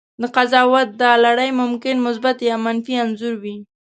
د قضاوت دا لړۍ ممکن مثبت یا منفي انځور وي.